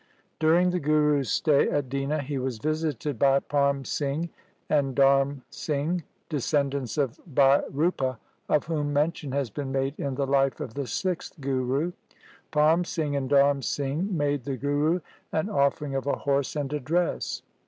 During the Guru's stay at Dina he was visited by Parm Singh and Dharm Singh, descendants of LIFE OF GURU GOBIND SINGH 201 Bhai Rupa, of whom mention has been made in the life of the sixth Guru. Parm Singh and Dharm Singh made the Guru an offering of a horse and a dress.